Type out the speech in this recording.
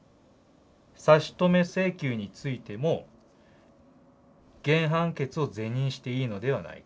「差止請求についても原判決を是認していいのではないか」。